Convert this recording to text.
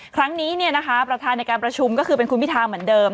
ครั้งนี้ประธานในการประชุมก็คือเป็นคุณพิธาเหมือนเดิม